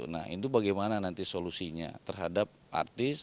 nah itu bagaimana nanti solusinya terhadap artis